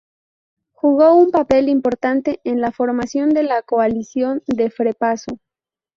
Jugó un papel importante en la formación de la coalición de FrePaSo.